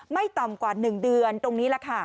ไม่ต่ำกว่า๑เดือนตรงนี้แหละค่ะ